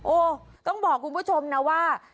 ต้องบอกคุณผู้ชมนะว่า